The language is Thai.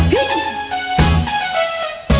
ขอบคุณมาก